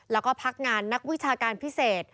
และภักดิ์งานหนักวิชาการพิเศษ